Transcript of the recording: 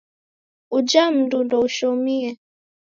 Uja mndu ndoushomie.